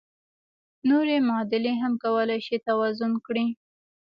نورې معادلې هم کولای شئ توازن کړئ.